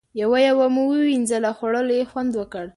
یوه یوه مو ووینځله او خوړلو یې خوند وکړ.